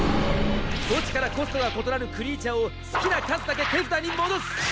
墓地からコストが異なるクリーチャーを好きな数だけ手札に戻す。